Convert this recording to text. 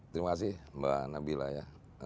terima kasih mbak nabila ya